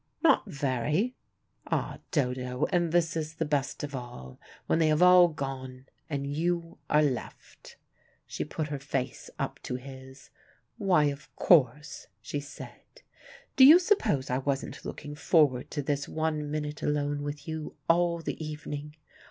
"Not very. Ah, Dodo, and this is the best of all, when they have all gone, and you are left." She put her face up to his. "Why, of course," she said. "Do you suppose I wasn't looking forward to this one minute alone with you all the evening?